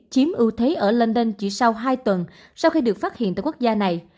chiếm ưu thế ở london chỉ sau hai tuần sau khi được phát hiện tại quốc gia này